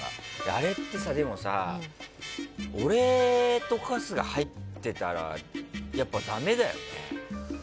あれってさ俺と春日が入ってたらやっぱりダメだよね。